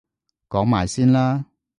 講埋先啦！